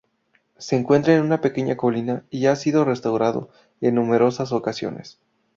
Se encuentra en una pequeña colina y ha sido restaurado en numerosas ocasiones.